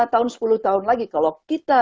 lima tahun sepuluh tahun lagi kalau kita